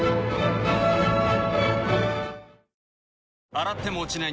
洗っても落ちない